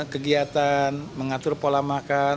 kegiatan mengatur pola makan